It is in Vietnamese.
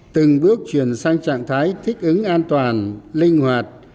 từng bước chuyển sang trạng thái thích ứng an toàn linh hoạt